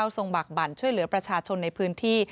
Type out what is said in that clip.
ทรงบากบั่นช่วยเหลือประชาชนในพื้นที่